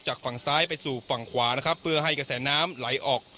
จากฝั่งซ้ายไปสู่ฝั่งขวานะครับเพื่อให้กระแสน้ำไหลออก